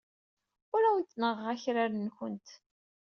Ur awent-neɣɣeɣ akraren-nwent.